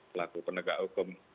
pelaku penegak hukum